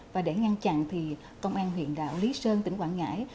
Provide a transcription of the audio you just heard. và để ngăn chặn thì công an huyện đảo lý sơn tỉnh quảng ngãi